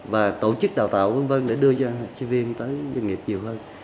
và tổ chức đào tạo vân vân để đưa cho doanh nghiệp nhiều hơn